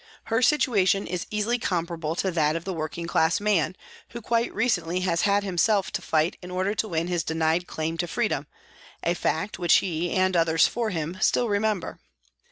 Her situation is easily comparable to that of the working 42 PRISONS AND PRISONERS class man who quite recently has had himself to fight in order to win his denied claim to freedom, a fact which he, and others for him, still remember.